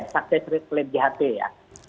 sukses rate pelayanan ght ya